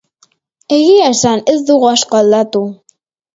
Egia esan, ez dugu asko aldatu.